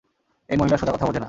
এই মহিলা সোজা কথা বোঝে না।